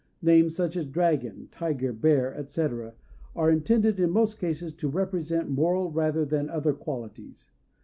Names such as "Dragon," "Tiger," "Bear," etc., are intended in most cases to represent moral rather than other qualities.